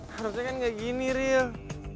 harusnya kan kayak gini rio